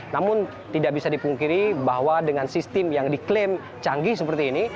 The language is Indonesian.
namun tidak bisa dipungkiri bahwa dengan sistem yang diklaim canggih seperti ini